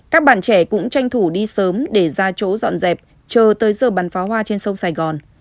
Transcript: các bạn trẻ cũng tranh thủ đi sớm để ra chỗ dọn dẹp chờ tới giờ bắn pháo hoa trên sông sài gòn